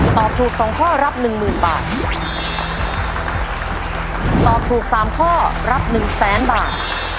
ตอบถูกสองข้อรับหนึ่งหมื่นบาทตอบถูกสามข้อรับหนึ่งแสนบาท